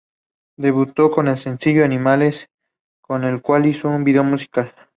Debutó con el sencillo "Animales", con el cual hizo un vídeo musical.